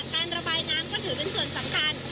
การระบายน้ำก็ถือเป็นส่วนสำคัญ